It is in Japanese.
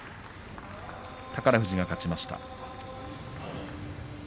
宝富士が勝ちました。